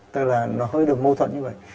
tức là nó hơi được mâu thuận như vậy